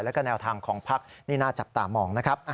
แล้วก็แนวทางของพักนี่น่าจับตามองนะครับ